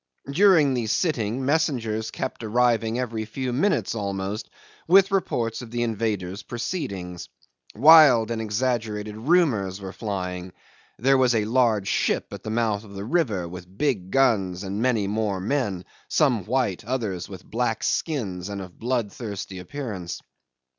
During the sitting messengers kept arriving every few minutes almost, with reports of the invaders' proceedings. Wild and exaggerated rumours were flying: there was a large ship at the mouth of the river with big guns and many more men some white, others with black skins and of bloodthirsty appearance.